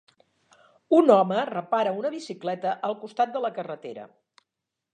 Un home repara una bicicleta al costat de la carretera.